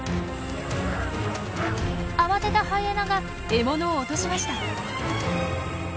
慌てたハイエナが獲物を落としました。